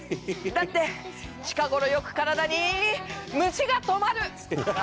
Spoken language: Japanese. だって近頃よく体に虫が止まる。